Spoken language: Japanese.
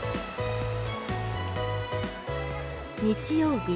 日曜日